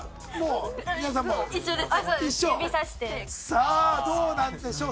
さあどうなんでしょう？